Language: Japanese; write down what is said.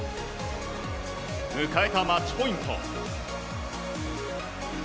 迎えたマッチポイント。